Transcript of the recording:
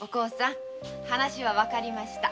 話はわかりました。